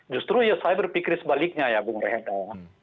justru ya saya berpikir sebaliknya ya bung rehenda